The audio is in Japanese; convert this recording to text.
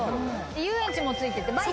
遊園地もついてて。